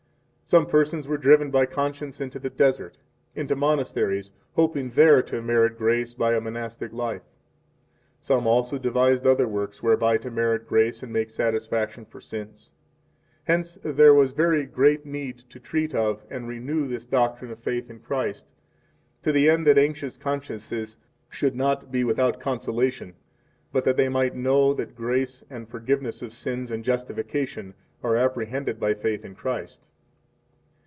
20 Some persons were driven by conscience into the desert, into monasteries hoping there to merit grace by a monastic life. 21 Some also devised other works whereby to merit grace and make satisfaction for sins. 22 Hence there was very great need to treat of, and renew, this doctrine of faith in Christ, to the end that anxious consciences should not be without consolation but that they might know that grace and forgiveness of sins and justification are apprehended by faith in Christ.